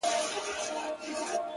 تا دي کرلي ثوابونه د عذاب وخت ته.